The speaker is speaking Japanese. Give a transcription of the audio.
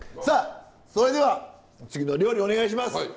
さあそれでは次の料理をお願いします。